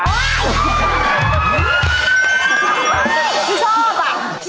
ไม่ชอบอะ